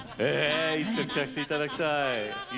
一度聴かせていただきたい。